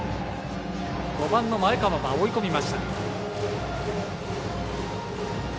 ５番の前川が追い込みました。